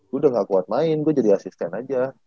gua udah ga kuat main gua jadi asisten aja